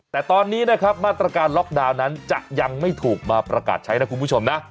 แต่ตอนนี้นะครับมาตรการล็อกดาวน์นั้นจะยังไม่ถูกมาประกาศใช้นะคุณผู้ชมนะ